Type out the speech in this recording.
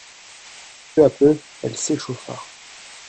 Peu à peu, elle s'échauffa.